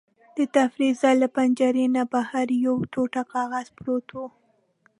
د تفریح ځای له پنجرې نه بهر یو ټوټه کاغذ پروت و.